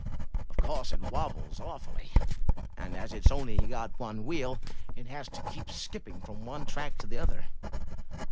Of course it wobbles awfully; and as it's only got one wheel, it has to keep skipping from one track to the other."